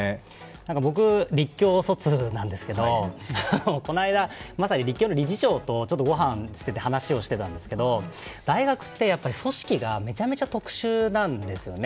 僕、立教卒なんですけどこの間、立教の理事長とちょっとご飯、話をしてたんですけど大学って組織がめちゃめちゃ特殊なんですよね。